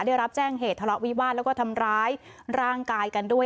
ได้รับแจ้งเหตุทะเลาะวิวาสแล้วก็ทำร้ายร่างกายกันด้วย